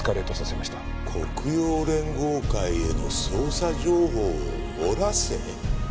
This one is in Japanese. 黒洋連合会への捜査情報を漏らせ？